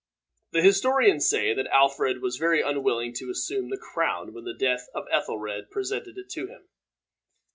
The historians say that Alfred was very unwilling to assume the crown when the death of Ethelred presented it to him.